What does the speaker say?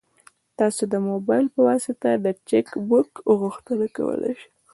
تاسو د موبایل په واسطه د چک بک غوښتنه کولی شئ.